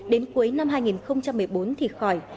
đến cuối năm hai nghìn một mươi bốn thì khỏi